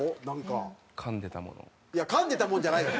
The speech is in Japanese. かんでたものじゃないよ。